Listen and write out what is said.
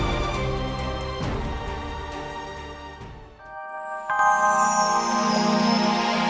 masih mau pakai